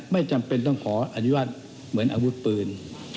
ไม่จำเป็นต้องขออนุญาตเหมือนอาวุธปืน